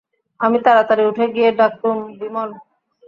আমি তাড়তাড়ি উঠে গিয়ে ডাকলুম, বিমল!